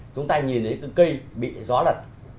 chúng ta nhìn thấy cái cây bị gió lật